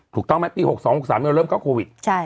ถูกต้องไหมปี๖๒๖๓เราเริ่มเข้าโควิด